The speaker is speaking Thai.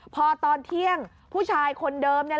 พอตอนเที่ยงผู้ชายคนเดิมเนี่ย